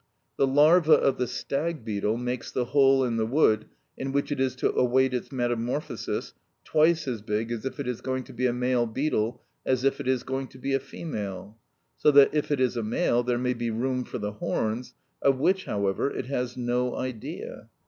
The larva of the stag beetle makes the hole in the wood, in which it is to await its metamorphosis, twice as big if it is going to be a male beetle as if it is going to be a female, so that if it is a male there may be room for the horns, of which, however, it has no idea.